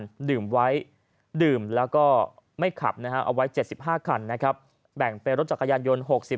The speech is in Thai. มาตรการดื่มไว้ดื่มแล้วก็ไม่ขับเอาไว้๗๕คันแบ่งเป็นรถจักรยานโยน